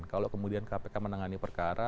kalau kemudian kpk menangani perkara